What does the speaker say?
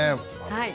はい。